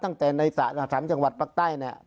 ตั้งแต่ใน๓จังหวัดภาคใต้เนี่ย